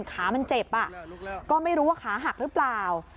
ขามันเจ็บก็ไม่รู้ว่าขาหักหรือเปล่า